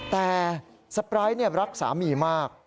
แต่สปร้ายรักสามีมาก